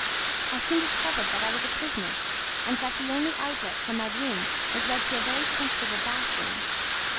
I soon discovered that I was a prisoner and that the only outlet from my room led to a very comfortable bath room.